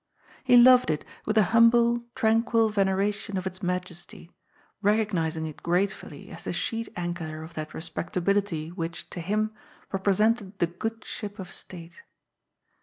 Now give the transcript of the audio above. He loved it with a humble, tranquil veneration of its majesty, recognising it gratefully as the sheet anchor of that respectability which, to him, represented the good ship of state.